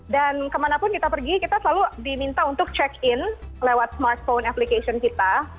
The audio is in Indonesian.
dan kemanapun kita pergi kita selalu diminta untuk check in lewat smartphone application kita